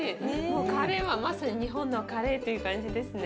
カレーはまさに日本のカレーっていう感じですね。